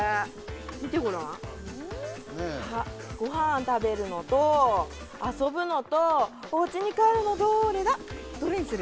見てごらんあっごはん食べるのと遊ぶのとおうちに帰るのどれだどれにする？